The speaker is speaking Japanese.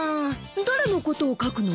誰のことを書くの？